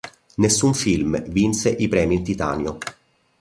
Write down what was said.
Nessun film vinse i premi in titanio.